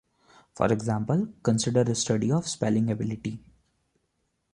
For example, consider a study of spelling ability.